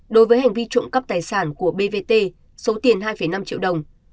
đối với hành vi trộm cắp tài sản của bvt số tiền hai năm triệu đồng